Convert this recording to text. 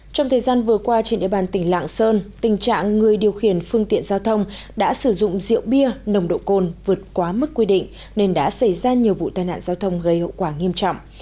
trong thời gian vừa qua trên địa bàn tỉnh lạng sơn tình trạng người điều khiển phương tiện giao thông đã sử dụng rượu bia nồng độ côn vượt quá mức quy định nên đã xảy ra nhiều vụ tai nạn giao thông gây hậu quả nghiêm trọng